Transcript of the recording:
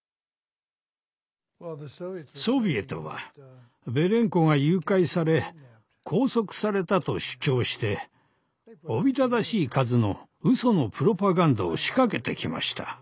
ソビエトはベレンコが誘拐され拘束されたと主張しておびただしい数のうそのプロパガンダを仕掛けてきました。